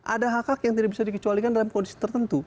ada hak hak yang tidak bisa dikecualikan dalam kondisi tertentu